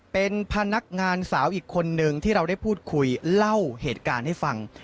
เป็นพนักงานสาวอีกคนนึงที่เราได้พูดคุยเล่าเหตุการณ์ให้ฟัง